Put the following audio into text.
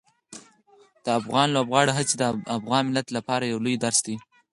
د افغان لوبغاړو هڅې د افغان ملت لپاره یو لوی درس دي.